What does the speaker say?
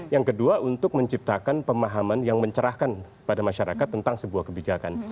yang kedua untuk menciptakan pemahaman yang mencerahkan pada masyarakat tentang sebuah kebijakan